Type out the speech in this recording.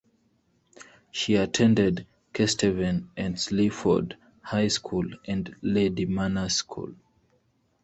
She attended Kesteven and Sleaford High School and Lady Manners School.